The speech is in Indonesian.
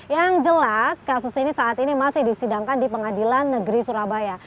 yang jelas kasus ini saat ini masih disidangkan di pengadilan negeri surabaya